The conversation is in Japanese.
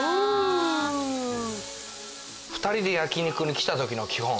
２人で焼肉に来た時の基本。